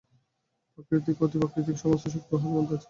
প্রাকৃতিক ও অতি-প্রাকৃতিক সমস্ত শক্তিই উহার মধ্যে আছে।